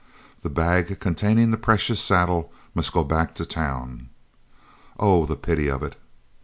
The bag containing the precious saddle must go back to town. Oh, the pity of it!